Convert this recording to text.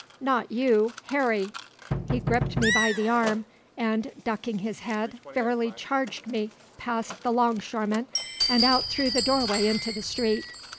Not you! Harry!" He gripped me by the arm, and, ducking his head, fairly charged me past the 'longshoremen and out through the doorway into the street.